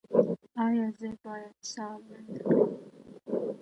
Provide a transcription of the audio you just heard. ایا زه باید ساه لنډه کړم؟